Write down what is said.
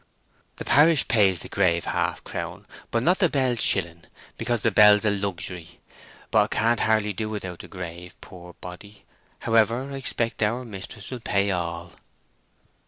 "The parish pays the grave half crown, but not the bell shilling, because the bell's a luxery: but 'a can hardly do without the grave, poor body. However, I expect our mistress will pay all."